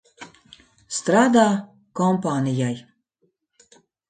Strādā kompānijai.